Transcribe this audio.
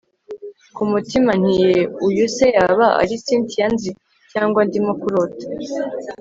kumutima nti yeeeh! uyu se yaba ari cyntia nzi, cyangwa ndimo kurota